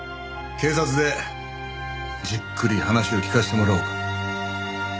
警察でじっくり話を聞かせてもらおうか。